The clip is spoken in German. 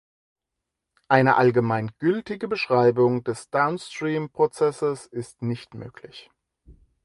Eine allgemein gültige Beschreibung des Downstream-Prozesses ist nicht möglich.